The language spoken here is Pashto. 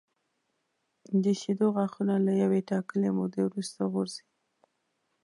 د شېدو غاښونه له یوې ټاکلې مودې وروسته غورځي.